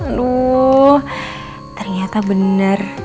aduh ternyata bener